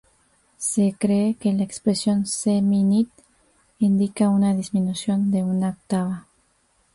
Se cree que la expresión "se·mi·nit" indica una disminución de una octava.